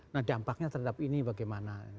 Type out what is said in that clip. nah dampaknya terhadap ini bagaimana